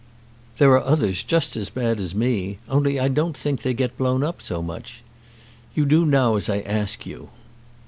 There are others just as bad as me, only I don't think they get blown up so much. You do now as I ask you."